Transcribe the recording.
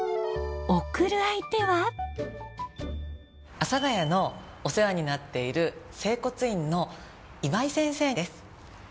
阿佐ヶ谷のお世話になっている整骨院の今井先生です。